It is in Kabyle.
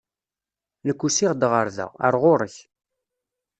Nekk usiɣ-d ɣer da, ar ɣur-k.